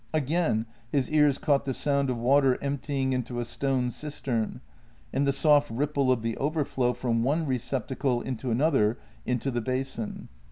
Again his ears caught the sound of water emptying into a stone cistern, and the soft ripple of the overflow from one re ceptacle into another into the basin.